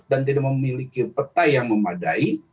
dan tidak memiliki peta yang memadai